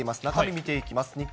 中身見ていきます。